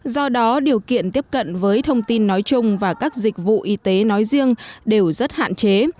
do đó điều kiện tiếp cận với thông tin nói chung và các dịch vụ y tế nói riêng đều rất hạn chế